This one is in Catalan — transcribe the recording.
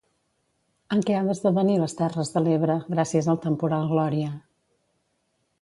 En què ha d'esdevenir les Terres de l'Ebre, gràcies al temporal Glòria?